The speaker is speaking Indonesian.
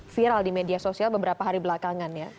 viral di media sosial beberapa hari belakangan ya